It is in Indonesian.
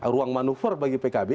ruang manuver bagi pkb